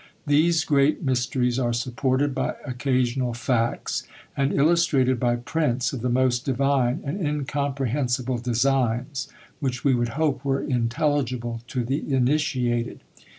These great mysteries are supported by occasional facts, and illustrated by prints of the most divine and incomprehensible designs, which we would hope were intelligible to the initiated.